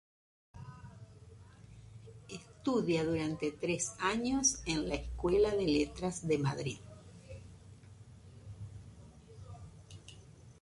Estudia durante tres años en la Escuela de Letras de Madrid.